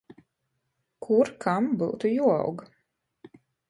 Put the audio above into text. Kur kam byutu juoaug.